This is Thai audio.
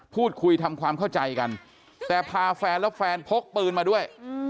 พูดคุยทำความเข้าใจกันแต่พาแฟนแล้วแฟนพกปืนมาด้วย